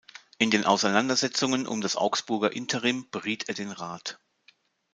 In den Auseinandersetzungen um das Augsburger Interim beriet er den Rat.